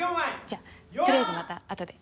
じゃあとりあえずまた後で。